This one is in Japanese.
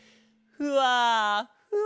ふわふわ。